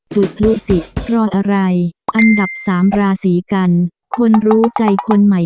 จุดรู้สิเพราะอะไร